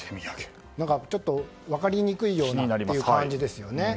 ちょっと分かりにくいようなという感じですよね。